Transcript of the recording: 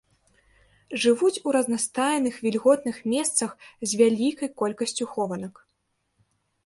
Жывуць у разнастайных вільготных месцах з вялікай колькасцю хованак.